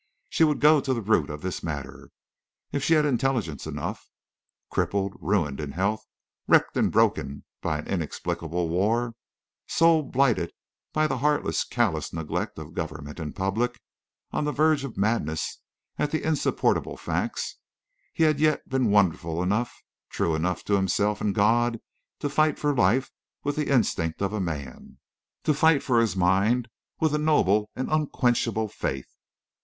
She would go to the root of this matter, if she had intelligence enough. Crippled, ruined in health, wrecked and broken by an inexplicable war, soul blighted by the heartless, callous neglect of government and public, on the verge of madness at the insupportable facts, he had yet been wonderful enough, true enough to himself and God, to fight for life with the instinct of a man, to fight for his mind with a noble and unquenchable faith.